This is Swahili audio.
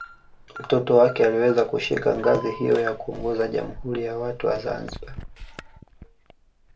Mtoto wake aliweza kushika ngazi hiyo ya kuongoza Jamhuri ya watu wa Zanzibar